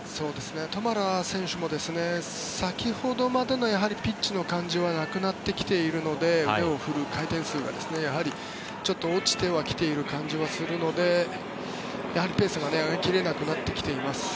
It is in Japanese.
トマラ選手も先ほどまでのピッチの感じはなくなってきているので腕を振る回転数が落ちてきている感じがするのでやはりペースが上げ切れなくなってきています。